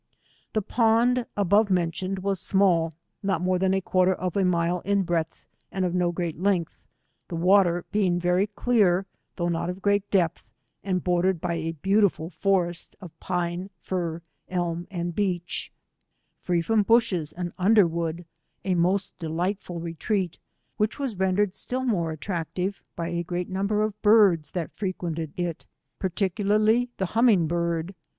The pond above mentioned was small, not more than a quarter of a mile in breadth, and of no great length, the water being I'ery clear, though not of great depth, and bor dered by a beautiful forest of pine, fir, elm, and and beach, free from bushes and underwood — a most delightful retreat, which was rendered still more attractive by a gr^at number of bitds that frequented it, particularly the4iummiBg bird.